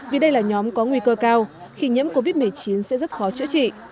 vì đây là nhóm có nguy cơ cao khi nhiễm covid một mươi chín sẽ rất khó chữa trị